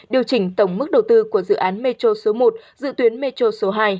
điều chỉnh tổng mức đầu tư của dự án metro số một dự tuyến metro số hai